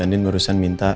andin barusan minta